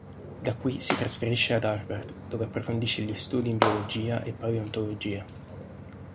Da qui si trasferisce ad Harvard, dove approfondisce gli studi in biologia e paleontologia.